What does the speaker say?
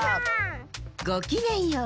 ごきげんよう。